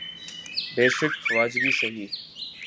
بیشک واجبی سہی۔